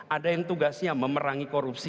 ada yang tugasnya memerangi korupsi